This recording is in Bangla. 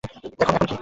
এখন-- -এখন কি?